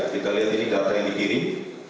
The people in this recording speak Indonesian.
kita lihat ini data yang dikirim